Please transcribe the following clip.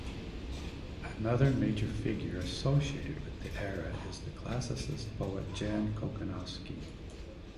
Another major figure associated with the era is the classicist poet Jan Kochanowski.